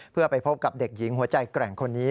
เพื่อไปพบกับเด็กหญิงหัวใจแกร่งคนนี้